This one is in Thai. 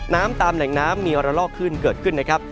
น้ำตามแหล่งน้ำมีระลอกขึ้นเกิดขึ้นนะครับ